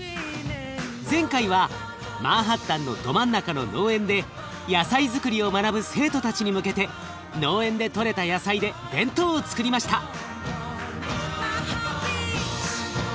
前回はマンハッタンのど真ん中の農園で野菜づくりを学ぶ生徒たちに向けて農園でとれた野菜で弁当をつくりました。